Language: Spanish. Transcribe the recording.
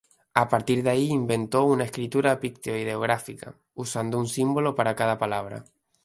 A partir de ahí inventó una escritura picto-ideográfica, usando un símbolo para cada palabra.